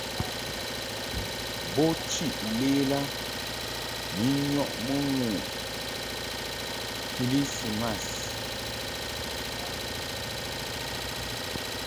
Bo chiʼ lela ni nyɔʼmɨ ŋu kɨlismas.